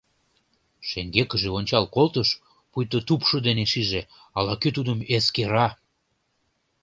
Шеҥгекыже ончал колтыш, пуйто тупшо дене шиже: ала-кӧ тудым эскера.